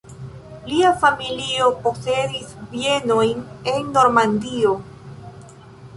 Lia familio posedis bienojn en Normandio.